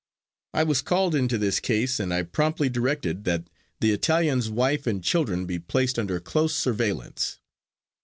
I was called into this case, and I promptly directed that the Italian's wife and children be placed under close surveillance.